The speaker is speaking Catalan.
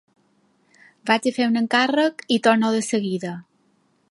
Vaig a fer un encàrrec i torno de seguida.